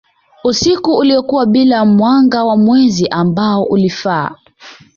usiku uliokuwa bila mwanga wa mwezi ambao ulifaa